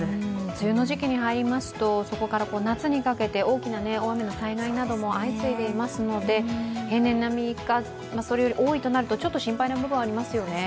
梅雨の時期に入りますと、そこから夏にかけて大きな雨の災害なども相次いでいますので平年並みかそれより多いとなるとちょっと心配な部分ありますよね。